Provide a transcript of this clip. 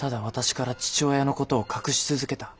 私から父親のことを隠し続けた。